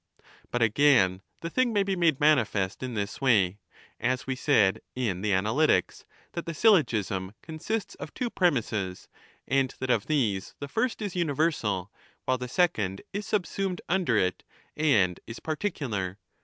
But, again, the thing may be made manifest in this way, 25 as we said in the Analytics^ that the syllogism consists of two premisses, and that of these the first is universal, while the second is subsumed under it and is particular.